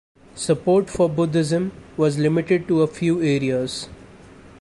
Support for Buddhism was limited to a few areas.